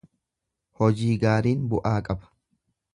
Hojii gaariin bu’aa qaba.